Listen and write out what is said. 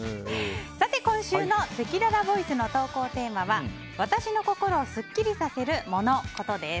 今週のせきららボイスの投稿テーマは私の心をスッキリさせるモノ・コトです。